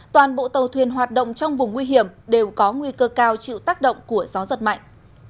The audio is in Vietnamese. toàn bộ tàu thuyền hoạt động trong vùng nguy hiểm đều có nguy cơ cao chịu tác động của gió giật mạnh